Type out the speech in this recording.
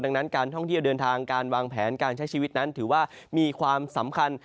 ดังนั้นการท่องเที่ยวเดินทางการวางแผนการใช้ชีวิตนั้นถือว่ามีความสำคัญ